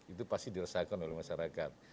itu pasti dirasakan oleh masyarakat